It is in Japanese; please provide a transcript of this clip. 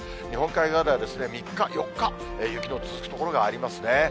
日本海側では、３日、４日、雪の続く所がありますね。